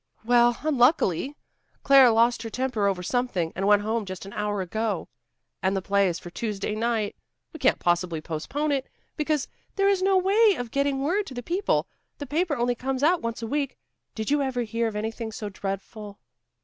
"Well, unluckily, Claire lost her temper over something, and went home just an hour ago. And the play is for Tuesday night. We can't possibly postpone it, because there is no way of getting word to the people. The paper only comes out once a week. Did you ever hear of anything so dreadful?"